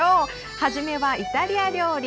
初めはイタリア料理。